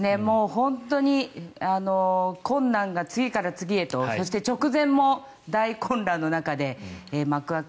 本当に困難が次から次へとそして直前も大混乱の中で幕開け。